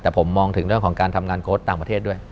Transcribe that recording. แต่ผมมองถึงเรื่องของการทำงานโค้ดต่างประเทศด้วย